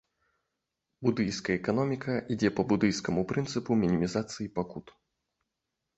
Будыйская эканоміка ідзе па будыйскаму прынцыпу мінімізацыі пакут.